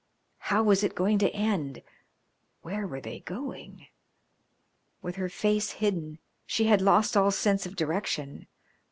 How was it going to end? Where were they going? With her face hidden she had lost all sense of direction.